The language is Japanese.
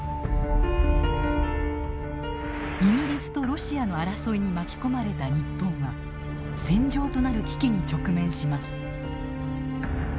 イギリスとロシアの争いに巻き込まれた日本は戦場となる危機に直面します。